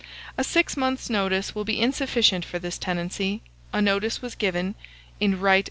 A six months' notice will be insufficient for this tenancy. A notice was given (in Right v.